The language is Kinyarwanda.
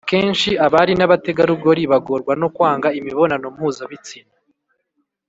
akenshi abari n’abategarugori bagorwa no kwanga imibonano mpuzabitsina.